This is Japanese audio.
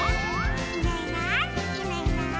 「いないいないいないいない」